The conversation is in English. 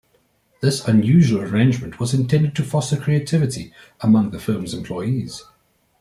This unusual arrangement was intended to foster creativity among the firm's employees.